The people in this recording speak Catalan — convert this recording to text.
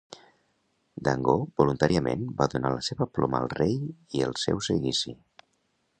Dangeau voluntàriament va donar la seva ploma al rei i el seu seguici..